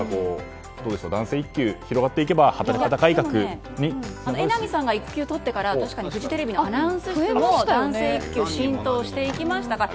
男性育休広がっていけば榎並さんが育休とってから確かにフジテレビのアナウンス室も男性育休が浸透してきましたから。